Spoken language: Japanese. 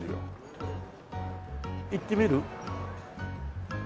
行ってみる？